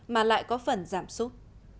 mà lại có phần giảm sốt